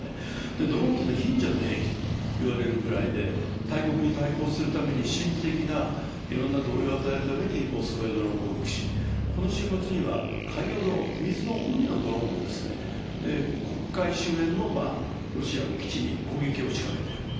ドローンは貧者の兵器と言われるくらいで大国に対抗するために心理的ないろいろな動揺を与えるためにモスクワへドローン攻撃をしこの週末には海洋ドローン海のドローンも、黒海周辺のロシアの基地に攻撃を仕掛けている。